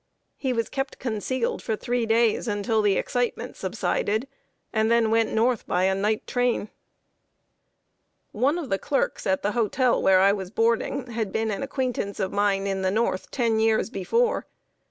He was kept concealed for three days, until the excitement subsided, and then went north by a night train. [Sidenote: SECESSION VS. SINCERITY.] One of the clerks at the hotel where I was boarding had been an acquaintance of mine in the North ten years before.